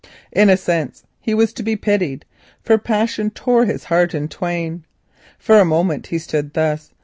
In a sense he was to be pitied, for passion tore his heart in twain. For a moment he stood thus.